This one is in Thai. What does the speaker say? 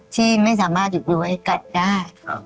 ที่ไม่สามารถหยุดรู้ไว้กันได้